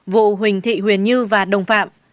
vụ huỳnh thị huyền như và đồng phạm